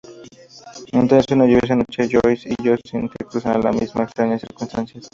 Entonces, una lluviosa noche, Joyce y Justin se cruzan en las más extrañas circunstancias.